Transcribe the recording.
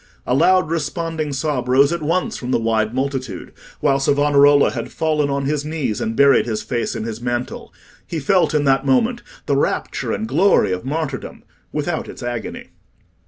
A loud responding sob rose at once from the wide multitude, while Savonarola had fallen on his knees and buried his face in his mantle. He felt in that moment the rapture and glory of martyrdom without its agony.